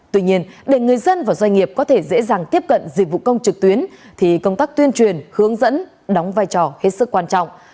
tuy nhiên để người dân và doanh nghiệp có thể dễ dàng tiếp cận dịch vụ công trực tuyến thì công tác tuyên truyền hướng dẫn đóng vai trò hết sức quan trọng